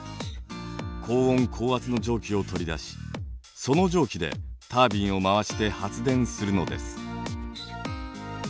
高温高圧の蒸気を取り出しその蒸気でタービンを回して発電するのです。